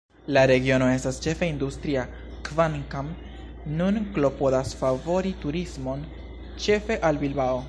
La regiono estas ĉefe industria, kvankam nun klopodas favori turismon, ĉefe al Bilbao.